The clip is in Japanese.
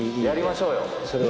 やりましょうよ。